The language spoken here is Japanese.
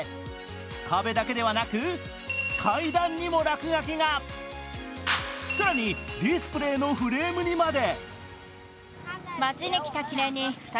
壁だけではなく、階段にも落書きが更に、ディスプレーのフレームにまで。